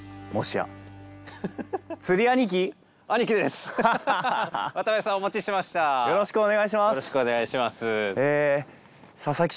よろしくお願いします。